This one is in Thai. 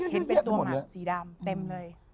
เห็นเป็นตัวหมักสีดำเต็มเลย